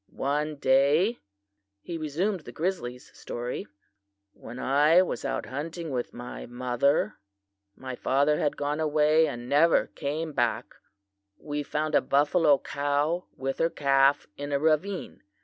"'One day'" he resumed the grizzly's story "'when I was out hunting with my mother my father had gone away and never came back we found a buffalo cow with her calf in a ravine.